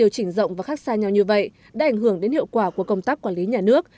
chỉnh rộng và khác xa nhau như vậy đã ảnh hưởng đến hiệu quả của công tác quản lý nhà nước